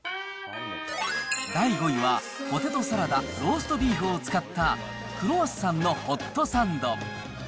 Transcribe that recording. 第５位は、ポテトサラダ、ローストビーフを使った、クロワッサンのホットサンド。